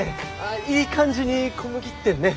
いい感じに小麦ってんねぇ。